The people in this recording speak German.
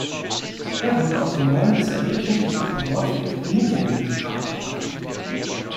Er wurde auf dem Neuen Israelitischen Friedhof am Nordfriedhof in München zu Grabe getragen.